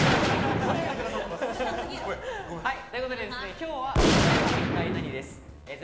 今日は「この絵は一体ナニ！？」